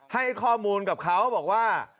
ให้ข้อมูลกับเขาบอกว่า